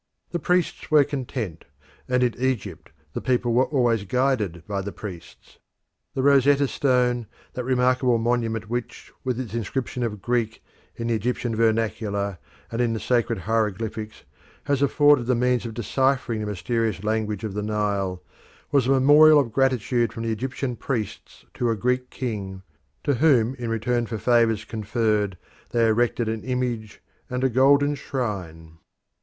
The priests were content, and in Egypt the people were always guided by the priests. The Rosetta Stone, that remarkable monument which, with its inscription in Greek, in the Egyptian vernacular, and in the sacred hieroglyphics, has afforded the means of deciphering the mysterious language of the Nile, was a memorial of gratitude from the Egyptian priests to a Greek king, to whom in return for favours conferred they erected an image and a golden shrine.